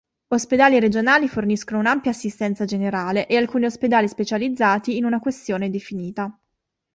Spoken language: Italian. Ospedali regionali forniscono un'ampia assistenza generale e alcuni ospedali specializzati in una questione definita.